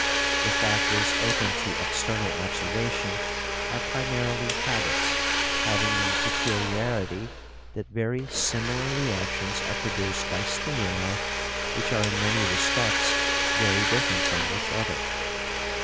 The factors open to external observation are primarily habits, having the peculiarity that very similar reactions are produced by stimuli which are in many respects very different from each other.